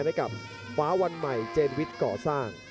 มีความรู้สึกว่า